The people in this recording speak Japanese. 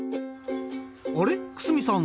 あれ久住さん